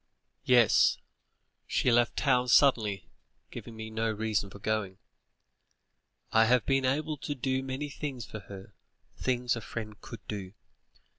"Yes, she left town suddenly, giving me no reason for going. I have been able to do many things for her; things a friend could do.